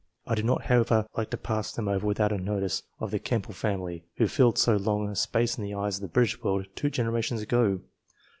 I do not, however, like to pass them over without a notice of the Kemble family, who filled so large a space in the eyes of the British world, two generations ago.